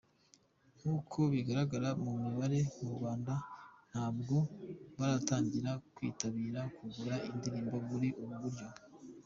Nkuko bigaragara mu mibare, mu Rwanda ntabwo baratangira kwitabira kugura indirimbo muri ubu buryo.